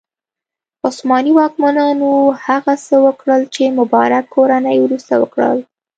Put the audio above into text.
عثماني واکمنانو هغه څه وکړل چې مبارک کورنۍ وروسته وکړل.